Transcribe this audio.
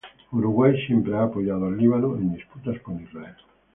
Uruguay siempre ha apoyado al Líbano en disputas con Israel.